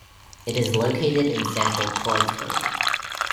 It is located in central Kreuzberg.